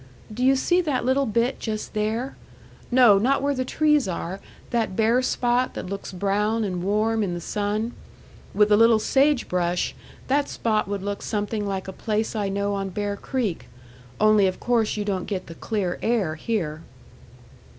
"Do you see that little bit just there? No, not where the trees are that bare spot that looks brown and warm in the sun. With a little sagebrush, that spot would look something like a place I know on Bear Creek. Only of course you don't get the clear air here."